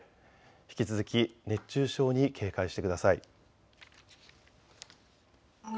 引き続き熱中症に警戒してください。